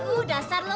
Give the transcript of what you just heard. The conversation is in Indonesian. udah star lu